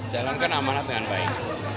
jalankan amanah dengan baik